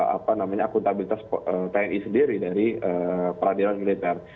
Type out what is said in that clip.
apa namanya akuntabilitas tni sendiri dari peradilan militer